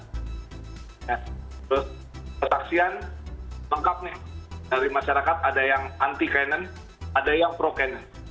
terus persaksian lengkap nih dari masyarakat ada yang anti canon ada yang pro canon